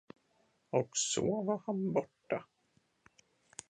Och så var han borta.